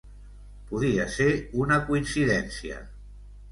Podia ser una coincidència.